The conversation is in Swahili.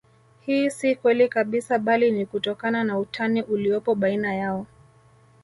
Hii si kweli kabisa bali ni kutokana na utani uliopo baina yao